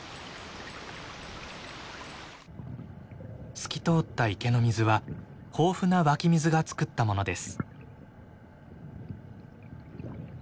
透き通った池の水は豊富な湧き水がつくったものです。